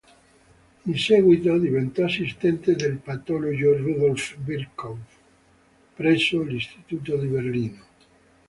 In seguito diventò assistente del patologo Rudolf Virchow presso l'Istituto di Berlino.